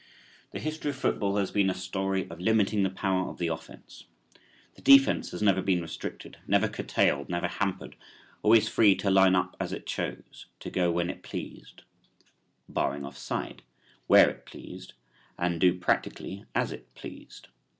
The history of football has been a story of limiting the power of the offense. The defense has never been restricted, never curtailed, never hampered, always free to line up as it chose, to go when it pleased (barring offside), where it pleased and do practically as it pleased.